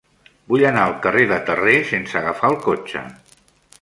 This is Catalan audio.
Vull anar al carrer de Terré sense agafar el cotxe.